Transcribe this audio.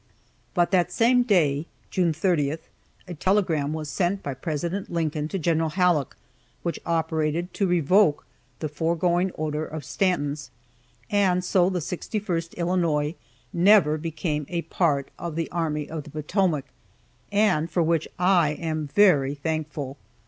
But that same day (June 30) a telegram was sent by President Lincoln to Gen. Halleck, which operated to revoke the foregoing order of Stanton's and so the 61st Illinois never became a part of the Army of the Potomac, and for which I am very thankful.